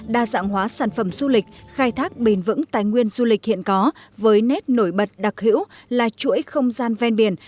đa dạng hóa sản phẩm du lịch khai thác bền vững tài nguyên du lịch hiện có với nét nổi bật đặc hữu là chuỗi không gian ven biển